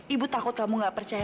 ibu takut kamu gak percaya